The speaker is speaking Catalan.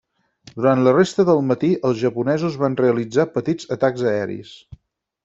Durant la resta del matí, els japonesos van realitzar petits atacs aeris.